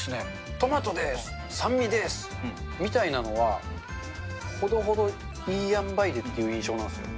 トマトです、酸味です、みたいなのは、ほどほどいい塩梅でっていう印象なんですよ。